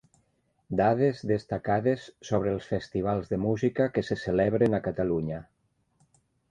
Dades destacades sobre els festivals de música que se celebren a Catalunya.